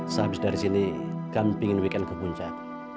sehabis dari sini kami ingin weekend ke puncak